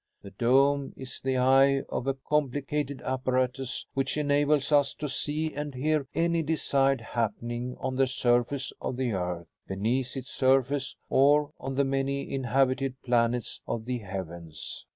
The dome is the 'eye' of a complicated apparatus which enables us to see and hear any desired happening on the surface of the earth, beneath its surface, or on the many inhabited planets of the heavens.